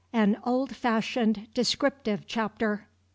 AN OLD FASHIONED DESCRIPTIVE CHAPTER.